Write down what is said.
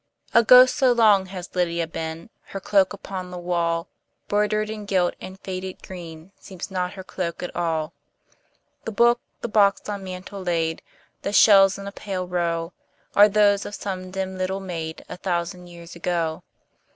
A ghost so long has Lydia been, Her cloak upon the wall, Broidered, and gilt, and faded green, Seems not her cloak at all. The book, the box on mantel laid, The shells in a pale row, Are those of some dim little maid, A thousand years ago.